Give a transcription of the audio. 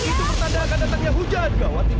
itu pertanda akan datangnya hujan gawat